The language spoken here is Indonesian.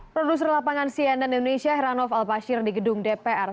produser lapangan cnn indonesia heranov al pashir di gedung dpr